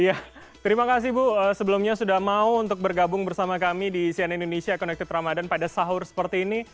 iya terima kasih bu sebelumnya sudah mau untuk bergabung bersama kami di sian indonesia connected ramadan pada sahur seperti ini